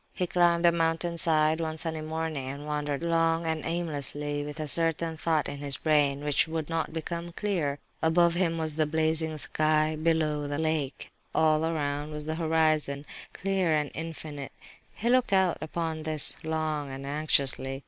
He climbed the mountain side, one sunny morning, and wandered long and aimlessly with a certain thought in his brain, which would not become clear. Above him was the blazing sky, below, the lake; all around was the horizon, clear and infinite. He looked out upon this, long and anxiously.